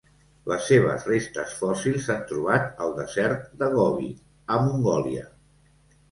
Les seves restes fòssils s'han trobat al desert de Gobi, a Mongòlia.